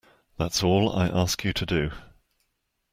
That's all I ask you to do.